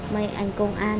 mấy anh công an